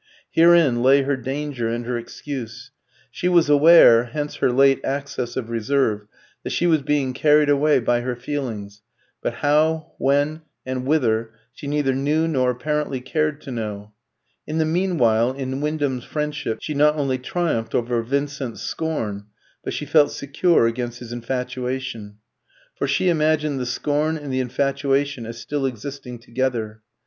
Herein lay her danger and her excuse. She was aware hence her late access of reserve that she was being carried away by her feelings; but how, when, and whither, she neither knew nor apparently cared to know. In the meanwhile, in Wyndham's friendship she not only triumphed over Vincent's scorn, but she felt secure against his infatuation. For she imagined the scorn and the infatuation as still existing together.